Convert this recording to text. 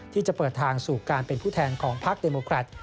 ที่จะเปิดทางสู่การเป็นผู้แทนของพักเดโมครัฐ